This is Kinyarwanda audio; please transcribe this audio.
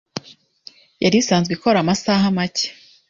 yari isanzwe ikora amasaha makeya,